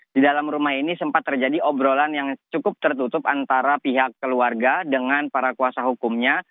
di dalam rumah ini sempat terjadi obrolan yang cukup tertutup antara pihak keluarga dengan para kuasa hukumnya